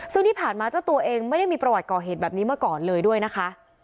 ซึ่งที่ผ่านมาเจ้าตัวเองไม่ได้มีประวัติก่อเหตุแบบนี้มาก่อนเลยด้วยนะคะ